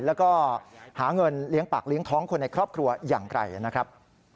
แล้วก็หาเงินเลี้ยงปากเลี้ยงท้องคนในครอบครัวอย่างไรนะครับ